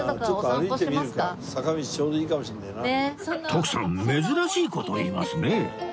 徳さん珍しい事言いますね